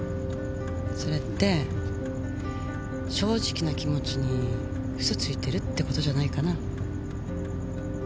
それって正直な気持ちに嘘ついてるってことじゃないかな？